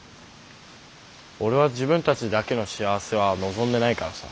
俺は自分たちだけの幸せは望んでないからさ。